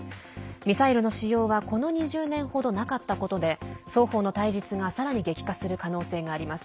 ミサイルの使用はこの２０年程なかったことで双方の対立がさらに激化する可能性があります。